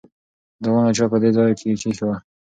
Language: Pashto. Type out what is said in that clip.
دا ونه چا په دې ځای کې ایښې ده؟